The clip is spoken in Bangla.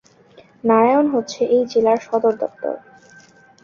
নারায়ণ হচ্ছে এই জেলার সদরদপ্তর।